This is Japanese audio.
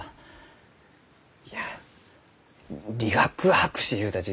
いや理学博士ゆうたち